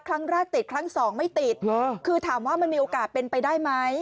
ครั้งแรกติดครั้งสองไม่ติดคือถามว่ามันมีโอกาสเป็นไปได้ไหม